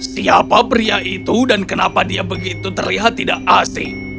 siapa pria itu dan kenapa dia begitu terlihat tidak asing